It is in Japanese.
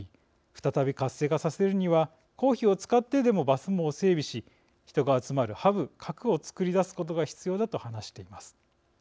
再び活性化させるには公費を使ってでもバス網を整備し人が集まるハブ核を作り出すことが必要だ」と話しています。